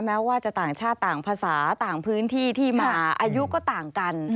แม้ว่าจะต่างชาติต่างภาษาต่างพื้นที่ที่มาอายุก็ต่างกัน